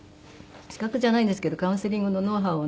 資格じゃないんですけどカウンセリングのノウハウを習ったので。